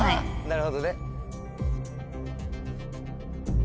なるほどね。